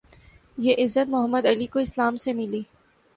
یہ عزت Muhammad Ali کو اسلام سے ملی